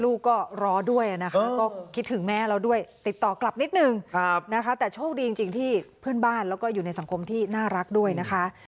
ลูกก็รอด้วยนะคะก็คิดถึงแม่เราด้วยติดต่อกลับนิดนึงนะคะแต่โชคดีจริงที่เพื่อนบ้านแล้วก็อยู่ในสังคมที่น่ารักด้วยนะคะ